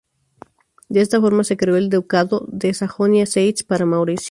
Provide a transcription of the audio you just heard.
De esta forma se creó el ducado de Sajonia-Zeitz para Mauricio.